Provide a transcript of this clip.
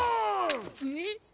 えっ？